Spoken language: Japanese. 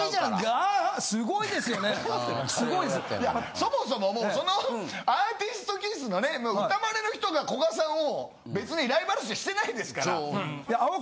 そもそももうアーティスト気質の歌マネの人が古賀さんを別にライバル視してないですから。